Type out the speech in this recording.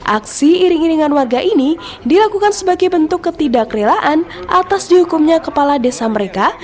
aksi iring iringan warga ini dilakukan sebagai bentuk ketidak relaan atas dihukumnya kepala desa mereka